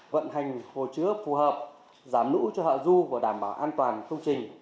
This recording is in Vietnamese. vận hành hồ chứa phù hợp giảm lũ cho hạ du và đảm bảo an toàn công trình